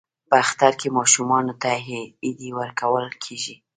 په اختر کې ماشومانو ته ایډي ورکول کیږي.